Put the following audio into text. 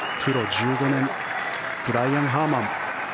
１５年目ブライアン・ハーマン。